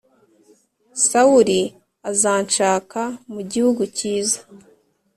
Sawuli azanshaka mu gihugu kiza